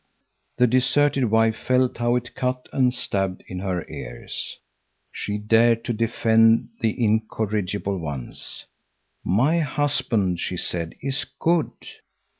The deserted wife felt how it cut and stabbed in her ears. She dared to defend the incorrigible ones. "My husband," she said, "is good."